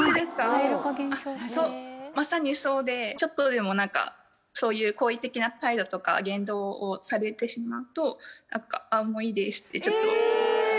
あっまさにそうでちょっとでも何かそういう好意的な態度とか言動をされてしまうと何かあっもういいですってちょっとえ！？